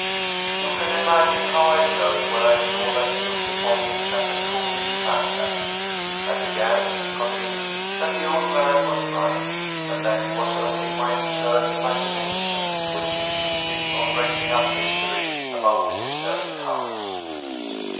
You can imagine how I felt when I saw that he looked upon me as a foolish fantast. I began to be convinced that the old man was right, and that it was only my absurd imagination which insisted on raising up mysteries about the deserted house.